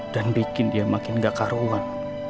dan bikin dia makin gak karuan